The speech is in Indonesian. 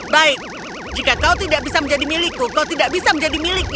baik jika kau tidak bisa menjadi milikku kau tidak bisa menjadi milikku